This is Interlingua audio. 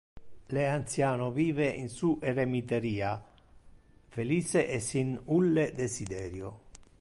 Le anciano vive in su eremiteria, felice e sin ulle desiderio.